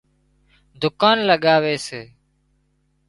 دُڪان لڳاوي سي